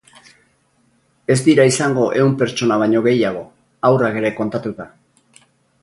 Ez dira izango ehun pertsona baino gehiago, haurrak ere kontatuta.